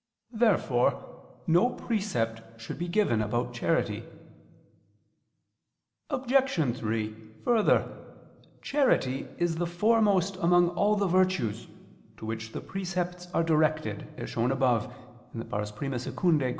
Therefore no precept should be given about charity. Obj. 3: Further, charity is the foremost among all the virtues, to which the precepts are directed, as shown above (I II, Q.